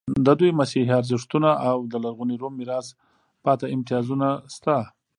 د دوی مسیحي ارزښتونه او د لرغوني روم میراث پاتې امتیازونه شته.